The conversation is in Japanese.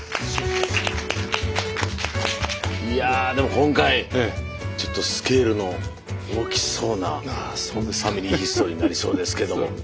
いやでも今回ちょっとスケールの大きそうな「ファミリーヒストリー」になりそうですけども。